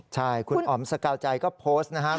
ใช่คุณอ๋อมสกาวใจก็โพสต์นะครับ